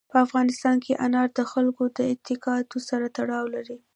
په افغانستان کې انار د خلکو د اعتقاداتو سره تړاو لري.